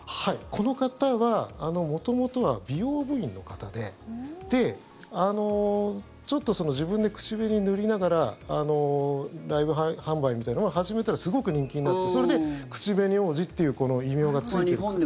この方は元々は美容部員の方でちょっと自分で口紅を塗りながらライブ販売みたいなのを始めたらすごく人気になってそれで、口紅王子というこの異名がついてるんです。